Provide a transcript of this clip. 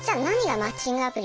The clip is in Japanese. マッチングアプリ。